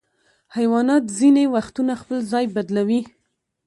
حیوانات ځینې وختونه خپل ځای بدلوي.